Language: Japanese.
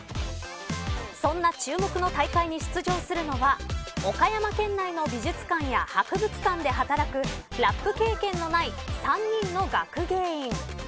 そんな注目の大会に出場するのは岡山県内の美術館や博物館で働くラップ経験のない３人の学芸員。